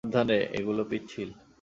সাবধানে, এগুলো পিচ্ছিল।